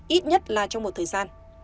ít nhất là trong một thời gian